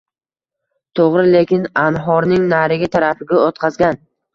Toʻgʻri, lekin anhorning narigi tarafiga oʻtqazgan.